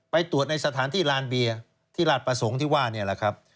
ไปตรวจในสถานที่ลานเบียร์ที่ราชประสงค์ที่ว่านี่แหละครับ